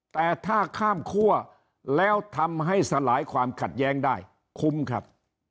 แต่ถ้าข้ามคั่วแล้วทำให้สลายความขัดแย้งได้คุ้มครับ